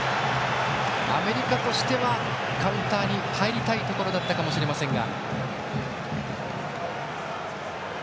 アメリカとしてはカウンターに入りたいところだったかもしれませんが。